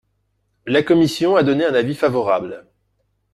La commission a donné un avis favorable.